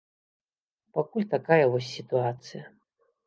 Пакуль такая вось сітуацыя.